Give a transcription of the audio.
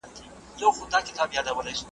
جهاني کړي غزلونه د جانان په صفت ستړي .